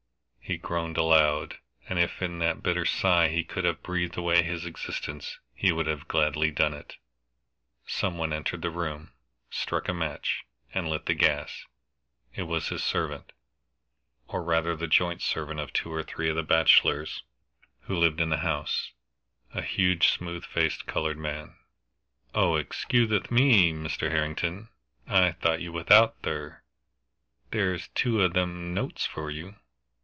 He groaned aloud, and if in that bitter sigh he could have breathed away his existence he would have gladly done it. Some one entered the room, struck a match, and lit the gas. It was his servant, or rather the joint servant of two or three of the bachelors who lived in the house, a huge, smooth faced colored man. "Oh, excuthe me, Mister Harrington, I thought you wath out, Thir. There's two o' them notes for you."